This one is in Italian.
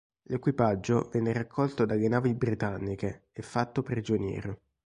L'equipaggio venne raccolto dalle navi britanniche e fatto prigioniero.